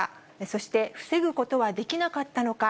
そして、防ぐことはできなかったのか。